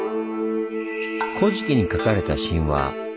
「古事記」に書かれた神話。